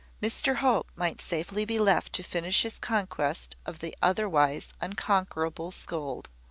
Mr Hope might safely be left to finish his conquest of the otherwise unconquerable scold.